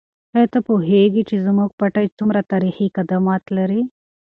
آیا ته پوهېږې چې زموږ پټی څومره تاریخي قدامت لري؟